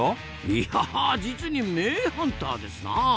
いや実に名ハンターですなあ！